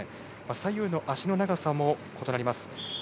左右の足の長さも異なります。